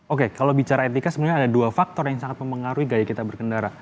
oke kalau bicara etika sebenarnya ada dua faktor yang sangat mempengaruhi gaya kita berkendara